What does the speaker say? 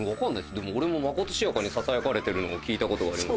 でも俺も、まことしやかにささやかれてるのを聞いたことがあります。